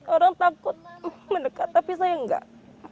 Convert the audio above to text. orang takut mendekat tapi saya enggak